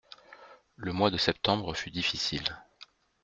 Le mois de septembre fut difficile.